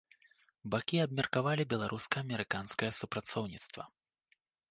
Бакі абмеркавалі беларуска-амерыканскае супрацоўніцтва.